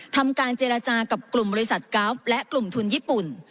ทำการเจรจากับกลุ่มบริษัทกราฟและกลุ่มทุนญี่ปุ่น